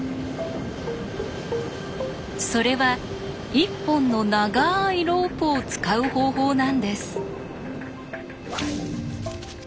それは１本の長いロープを使う方法なんです。